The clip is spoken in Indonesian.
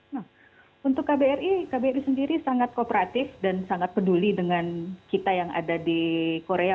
nah untuk kbri kbri sendiri sangat kooperatif dan sangat peduli dengan kita yang ada di korea